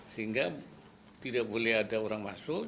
sehingga tidak boleh ada orang masuk